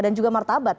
dan juga martabat